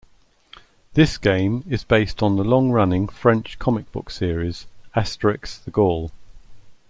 This game is based on the long-running, French comic book series "Asterix the Gaul".